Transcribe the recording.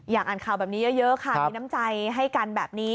อ่านข่าวแบบนี้เยอะค่ะมีน้ำใจให้กันแบบนี้